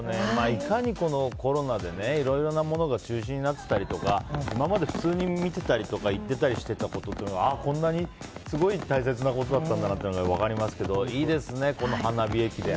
いかに、コロナでいろいろなものが中止になってたりとか今まで普通に見ていたり行っていたりしていたことがこんなにすごい大切なことだったんだなっていうのが分かりますけどいいですね、この花火駅伝。